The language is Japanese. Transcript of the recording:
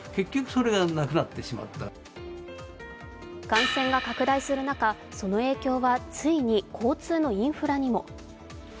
感染が拡大する中、その影響はついに交通のインフラにも。